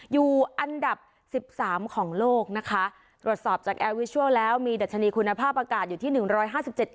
อยู่อันดับสิบสามของโลกนะคะตรวจสอบจากแอร์วิชัลแล้วมีดัชนีคุณภาพอากาศอยู่ที่หนึ่งร้อยห้าสิบเจ็ด